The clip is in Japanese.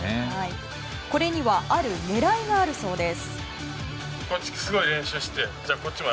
これにはある狙いがあるそうです。